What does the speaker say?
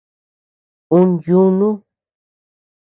Ún yunu.